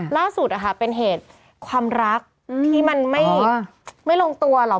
ล่าสุดเป็นเหตุความรักที่มันไม่ลงตัวหรอก